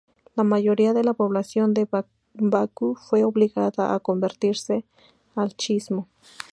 La mayoría de la población de Baku fue obligada a convertirse al chiismo.